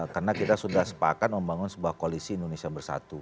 karena kita sudah sepakat membangun sebuah koalisi indonesia bersatu